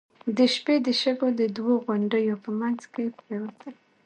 د شپې د شګو د دوو غونډيو په مينځ کې پرېوتل.